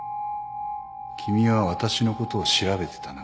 君は私のことを調べてたな。